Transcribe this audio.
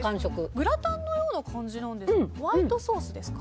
グラタンのような感じですか？